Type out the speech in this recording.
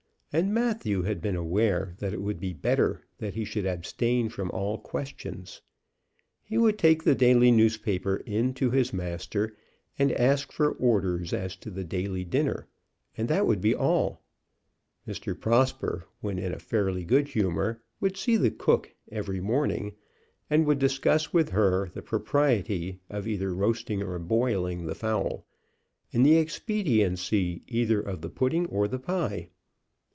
And Matthew had been aware that it would be better that he should abstain from all questions. He would take the daily newspaper in to his master, and ask for orders as to the daily dinner, and that would be all. Mr. Prosper, when in a fairly good humor, would see the cook every morning, and would discuss with her the propriety of either roasting or boiling the fowl, and the expediency either of the pudding or the pie.